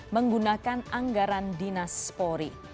menggunakan anggaran dinas polri